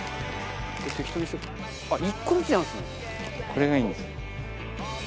これがいいんですよ。